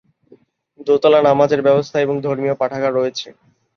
দোতলা নামাজের ব্যবস্থা এবং ধর্মীয় পাঠাগার রয়েছে।